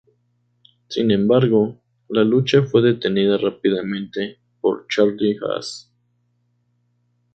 Sin embargo, la lucha fue detenida rápidamente por Charlie Haas.